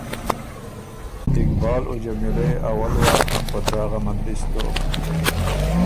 اقبال او جمیلۀ يې اول وار اُن په دراغه مندلِس دوک۔